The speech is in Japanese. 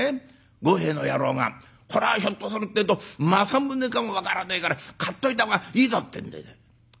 ごへえの野郎が『こらひょっとするてえと正宗かも分からねえから買っといた方がいいぞ』ってんでね。